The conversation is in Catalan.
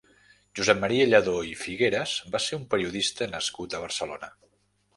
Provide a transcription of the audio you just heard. Josep Maria Lladó i Figueres va ser un periodista nascut a Barcelona.